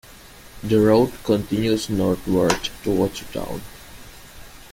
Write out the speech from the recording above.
The route continues northward to Watertown.